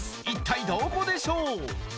一体どこでしょう？